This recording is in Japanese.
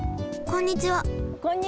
こんにちは！